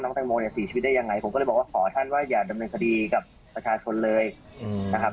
แตงโมเนี่ยเสียชีวิตได้ยังไงผมก็เลยบอกว่าขอท่านว่าอย่าดำเนินคดีกับประชาชนเลยนะครับ